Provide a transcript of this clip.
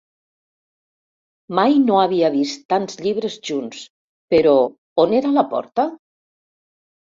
Mai no havia vist tants llibres junts, però on era la porta?